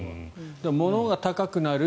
物が高くなる。